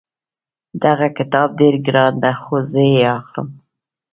دغه کتاب ډېر ګران ده خو زه یې اخلم